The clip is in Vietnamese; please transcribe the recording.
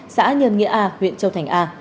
xã nhân nghĩa a huyện châu thành a